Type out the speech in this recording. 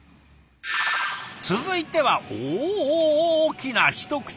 続いてはおきな一口！